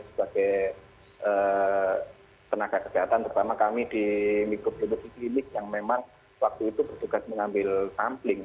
sebagai tenaga kesehatan terutama kami di mikroplik pikilik yang memang waktu itu bertugas mengambil samping